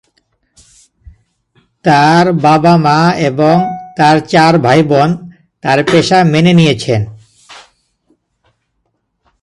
তার বাবা-মা এবং তার চার ভাইবোন তার পেশা মেনে নিয়েছেন।